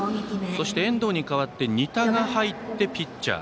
そして、遠藤に代わって仁田が入ってピッチャー。